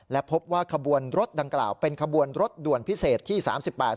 และพบว่าขบวนรถดังกล่าวเป็นขบวนรถด่วนพิเศษที่สามสิบแปด